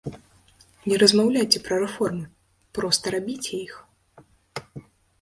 Не размаўляйце пра рэформы, проста рабіце іх.